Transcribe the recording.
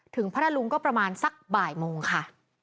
พัทธลุงก็ประมาณสักบ่ายโมงค่ะ